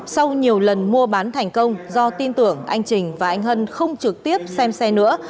sau nhiều lần mua bán thành công do tin tưởng anh trình và anh hân không trực tiếp xem xe nữa